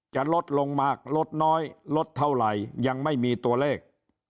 จะลดลงมากลดน้อยลดเท่าไหร่ยังไม่มีตัวเลข